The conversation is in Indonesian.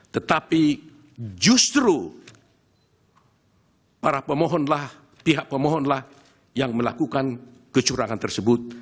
tetapi justru para pemohonlah pihak pemohonlah yang melakukan kecurangan tersebut